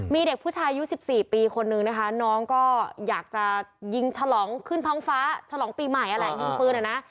มีเด็กผู้ชายอายุ๑๔ปีคนนึงนะคะน้องก็อยากจะยิงฉลองขึ้นท้องฟ้าฉลองปีใหม่นั่นแหละยิงปืนอ่ะนะ